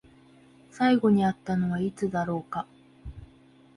最後に会ったのはいつだろうか？